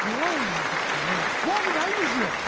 怖くないですよ。